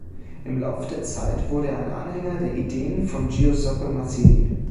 Im Lauf der Zeit wurde er ein Anhänger der Ideen von Giuseppe Mazzini.